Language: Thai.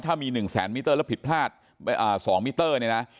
ถ้ามี๑แสนมิเตอร์แล้วผิดพลาด๒มิเตอร์เนี่ยนะ